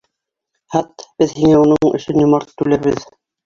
Һат, беҙ һиңә уның өсөн йомарт түләрбеҙ.